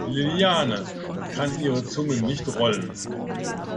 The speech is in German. Liliane kann ihre Zunge nicht rollen.